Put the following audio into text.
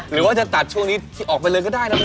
หรือว่าจะตัดช่วงนี้ที่ออกไปเลยก็ได้นะ